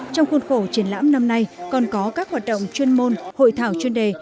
trong khuôn khổ triển lãm năm nay còn có các hoạt động chuyên môn hội thảo chuyên đề